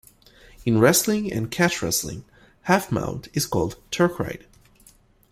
In wrestling and catch wrestling half mount is called Turk ride.